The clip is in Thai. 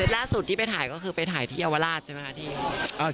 ล่าสุดที่ไปถ่ายเป็นอยู่ที่อาวาราสใช่ไหมค่า